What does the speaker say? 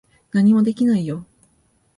何もできないよ。